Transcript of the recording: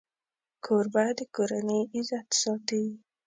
کوربه د کورنۍ عزت ساتي.